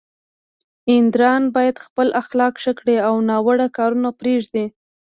دینداران باید خپل اخلاق ښه کړي او ناوړه کارونه پرېږدي.